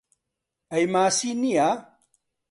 ئەی ماسی نییە؟